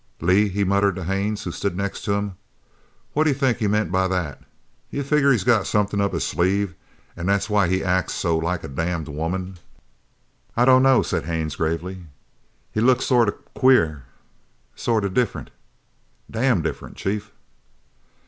"Lee," he muttered to Haines, who stood next to him, "what do you think he meant by that? D' you figger he's got somethin' up his sleeve, an' that's why he acts so like a damned woman?" "I don't know," said Haines gravely, "he looks to me sort of queer sort of different damned different, chief!"